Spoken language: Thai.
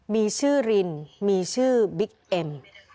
มีชื่อรินมีชื่อบิ๊กเอ็ม